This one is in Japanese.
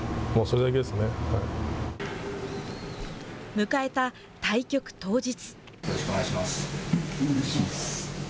迎えた対局当日。